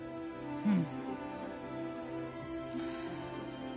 うん。